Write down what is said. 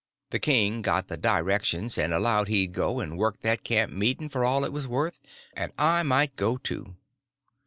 The king got the directions, and allowed he'd go and work that camp meeting for all it was worth, and I might go, too.